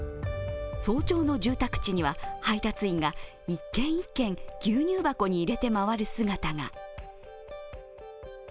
早朝の住宅地には配達員が１軒、１軒牛乳箱に入れて回る姿が。